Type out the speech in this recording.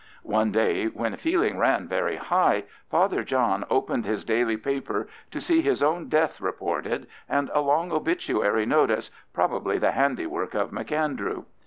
One day, when feeling ran very high, Father John opened his daily paper to see his own death reported, and a long obituary notice, probably the handiwork of M'Andrew.